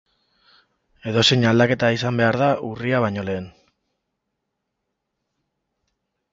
Edozein aldaketa izan behar da urria baino lehen.